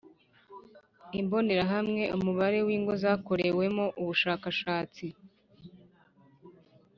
Imbonerahamwe Umubare w ingo zakorewemo ubushakashatsi